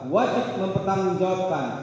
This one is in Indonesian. wajib mempertanggung jawabkan